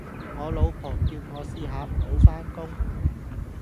我老婆叫我試下唔好返工